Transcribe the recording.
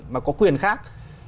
mà có quyền khác